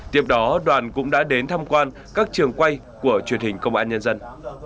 tiếp đó đoàn cũng đã đến tham quan các trường quay của truyền hình công an nhân dân